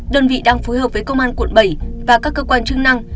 đơn vị đang phối hợp với công an quận bảy và các cơ quan chức năng